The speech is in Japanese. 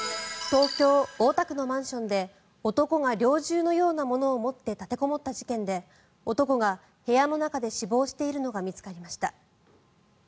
東京・大田区のマンションで男が猟銃のようなものを持って立てこもった事件で男が部屋の中で死亡しているのが見つかりました。